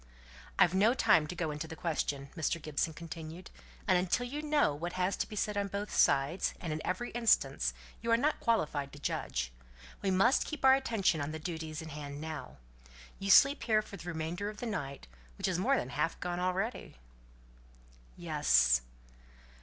"I've no time to go into the question," Mr. Gibson continued. "And until you know what has to be said on both sides and in every instance, you are not qualified to judge. We must keep our attention on the duties in hand now. You sleep here for the remainder of the night, which is more than half gone already?" "Yes."